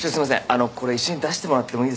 あのこれ一緒に出してもらってもいいですかね。